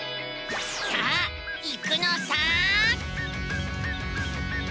さあ行くのさ！